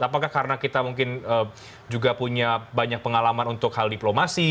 apakah karena kita mungkin juga punya banyak pengalaman untuk hal diplomasi